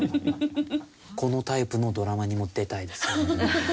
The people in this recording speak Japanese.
このタイプのドラマにも出たいですね。